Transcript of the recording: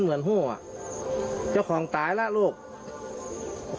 เหมือนห้วอะเจ้าของตายล่ะลูก